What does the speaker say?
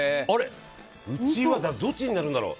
うちはどっちになるんだろう。